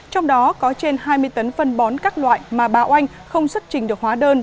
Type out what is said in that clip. trong đó có trên hai mươi tấn phân bón các loại mà bà oanh không xuất trình được hóa đơn